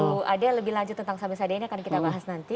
nah bu ade lebih lanjut tentang samisade ini akan kita bahas nanti